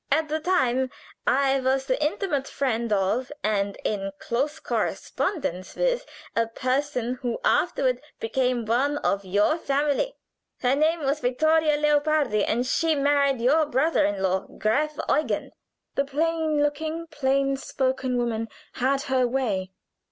At the time I was the intimate friend of, and in close correspondence with, a person who afterward became one of your family. Her name was Vittoria Leopardi, and she married your brother in law, Graf Eugen." The plain spoken, plain looking woman had her way.